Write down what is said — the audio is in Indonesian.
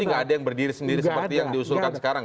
jadi nggak ada yang berdiri sendiri seperti yang diusulkan sekarang